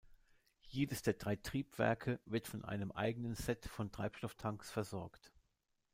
Jedes der drei Triebwerke wird von einem eigenen Set von Treibstofftanks versorgt.